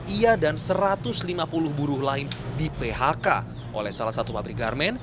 ia dan satu ratus lima puluh buruh lain di phk oleh salah satu pabrik garmen